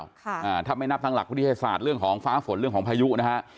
อ่าถ้าไม่นับทางหลักวิทยาศาสตร์เรื่องของฟ้าฝนเรื่องของพายุนะฮะ